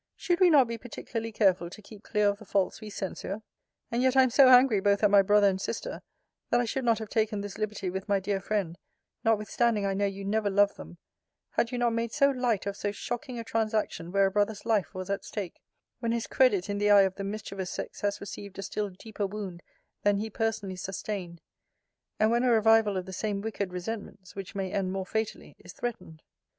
Should we not be particularly careful to keep clear of the faults we censure? And yet I am so angry both at my brother and sister, that I should not have taken this liberty with my dear friend, notwithstanding I know you never loved them, had you not made so light of so shocking a transaction where a brother's life was at stake: when his credit in the eye of the mischievous sex has received a still deeper wound than he personally sustained; and when a revival of the same wicked resentments (which may end more fatally) is threatened.